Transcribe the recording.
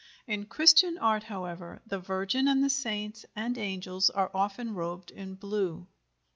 In Christian art, however, the Virgin and the saints and angels are often robed in blue.